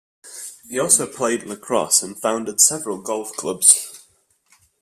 He also played lacrosse and founded several golf clubs.